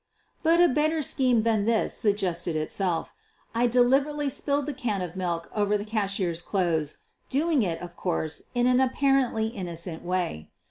But a better scheme than this suggested itself; I deliberately spilled the can of milk over the cash ier's clothes, doing it, of course, in an apparently innocent way.